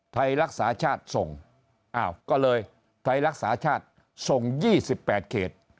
ไทยรักษาชาติส่งอ้าวก็เลยไทยรักษาชาติส่ง๒๘เขต